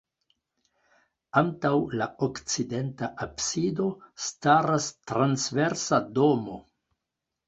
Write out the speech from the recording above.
Antaŭ la okcidenta absido staras transversa domo.